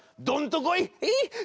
どんとこい！」。